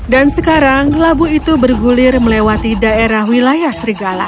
dan sekarang labu itu bergulir melewati daerah wilayah serigala